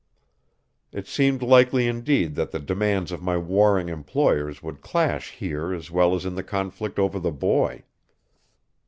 It seemed likely indeed that the demands of my warring employers would clash here as well as in the conflict over the boy.